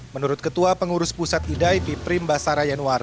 menurut ketua pengurus pusat idai biprim basara yanwar